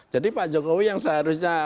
jadi pak jokowi yang seharusnya